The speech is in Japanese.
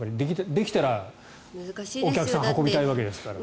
できたら、お客さんを運びたいわけですから。